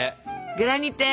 グラニテ！